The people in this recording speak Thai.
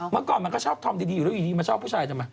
เมื่อก่อนมันก็ชอบผมดีคือไปดีมันชอบผู้ชายจังมัน